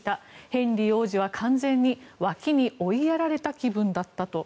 ヘンリー王子は完全に脇に追いやられた気分だったと。